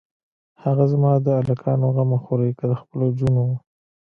هه زما د الکانو غمه خورې که د خپلو جونو.